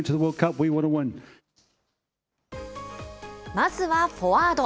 まずはフォワード。